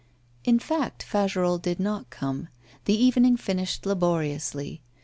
In fact, Fagerolles did not come. The evening finished laboriously.